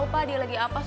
pak di gas